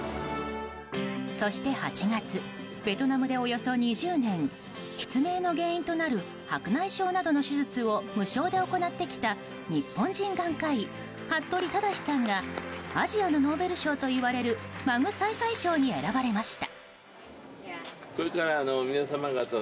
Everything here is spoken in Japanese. そして８月、ベトナムでおよそ２０年失明の原因となる白内障などの手術を無償で行ってきた日本人眼科医・服部匡志さんがアジアのノーベル賞といわれるマグサイサイ賞に選ばれました。